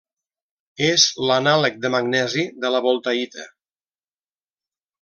És l'anàleg de magnesi de la voltaïta.